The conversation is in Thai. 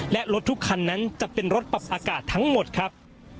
และรถทุกคันนั้นจะเป็นรถปรับอากาศทั้งหมดครับ